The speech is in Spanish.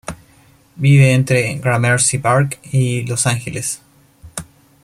Vive entre Gramercy Park y Los Ángeles.